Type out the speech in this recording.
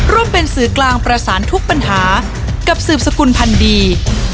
ร่วมเป็นสื่อกลางประสานทุกปัญหากับสืบสกุลพันธ์ดี